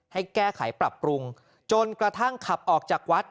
ให้แก้ไขปรับปรุงจนกระทั่งขับออกจากวัด